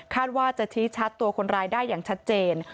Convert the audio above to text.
ว่าจะชี้ชัดตัวคนร้ายได้อย่างชัดเจน